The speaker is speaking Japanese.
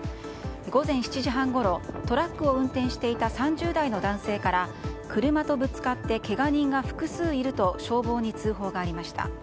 午前７時半ごろトラックを運転していた３０代の男性から車とぶつかってけが人が複数いると消防に通報がありました。